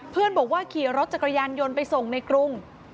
เพื่อนบอกว่าขี่รถจากกระยานยนต์ไปส่งในกรุง